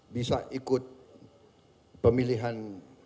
bisa ikut pemilihan